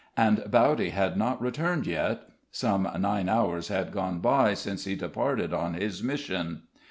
And Bowdy had not returned yet; some nine hours had gone by since he departed on his mission.